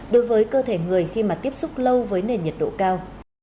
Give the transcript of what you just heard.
đối với cơ thể người khi mà tiếp xúc lâu với nền nhiệt độ cao